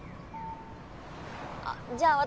あっじゃあ私